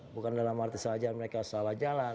bukan dalam arti salah jalan mereka salah jalan